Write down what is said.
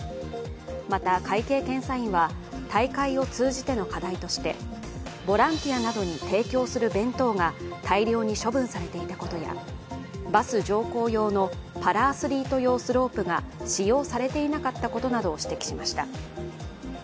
また、会計検査院は、大会を通じての課題として、ボランティアなどに提供する弁当が大量に処分されていたことや、バス乗降用のパラアスリート用スロープが使用されていなかったことなどを指摘しました。